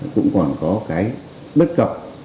cũng còn có bất cập